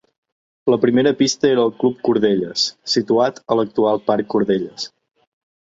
La primera pista era al Club Cordelles, situat a l’actual Parc Cordelles.